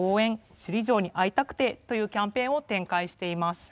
首里城に会いたくて」というキャンペーンを展開しています。